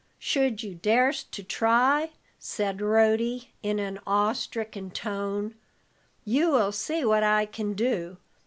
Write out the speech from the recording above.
"Should you darst to try?" said Rhody, in an awe stricken tone. "You will see what I can do.